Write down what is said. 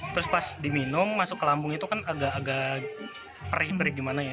terus pas diminum masuk ke lambung itu kan agak agak perih perih gimana ya